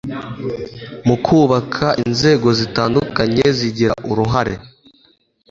mu kubaka inzego zitandukanye zigira uruhare